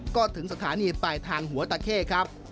ก็ถึงสถานีปลายทางหัวตะเข้ครับ